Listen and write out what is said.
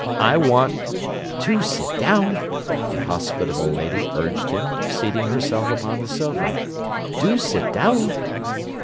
"I want—" "Do sit down," the hospitable lady urged him, seating herself upon the sofa. "Do sit down."